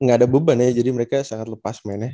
nggak ada beban ya jadi mereka sangat lepas mainnya